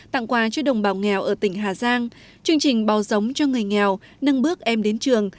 tặng quà cho đồng bào nghèo ở tỉnh hà giang chương trình bào giống cho người nghèo nâng bước em đến trường